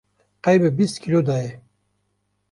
qey min bîst kîlo daye.